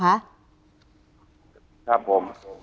ครับผม